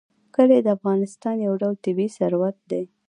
کلي د افغانستان یو ډول طبعي ثروت دی.